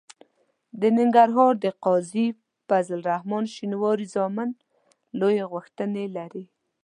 د ننګرهار د قاضي فضل الرحمن شینواري زامن لویې غوښتنې لري.